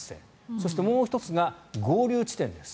そして、もう１つが合流地点です。